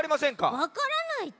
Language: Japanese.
わからないち。